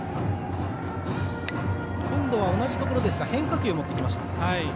今度は同じところですが変化球を持ってきました。